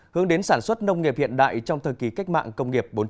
hướng đến sản xuất nông nghiệp hiện đại trong thời kỳ cách mạng công nghiệp bốn